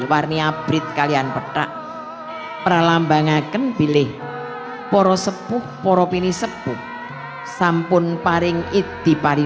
warni abrid kalian petak pralambang akan pilih poro sepuh poro pini sepuh sampun paring it di